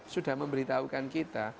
sudah memberitahukan kita